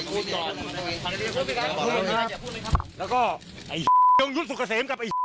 วิ่งมีอะไรอยากจะพูดก่อนแล้วก็ไอยุทธ์สุขเสมกับไอ